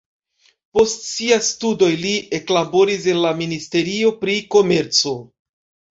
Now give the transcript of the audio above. Post siaj studoj li eklaboris en la ministerio pri komerco.